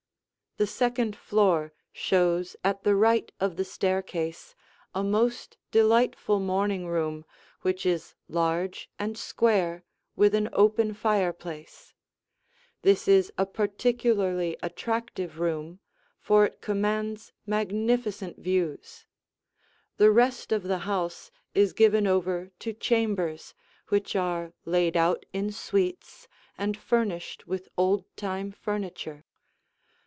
The second floor shows at the right of the staircase a most delightful morning room which is large and square with an open fireplace. This is a particularly attractive room, for it commands magnificent views. The rest of the house is given over to chambers which are laid out in suites and furnished with old time furniture.